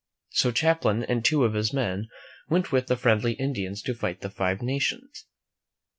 So Champlain and two of his men went with the friendly Indians to fight the Five Nations.